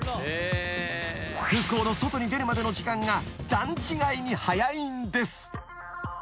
［空港の外に出るまでの時間が段違いに早いんです］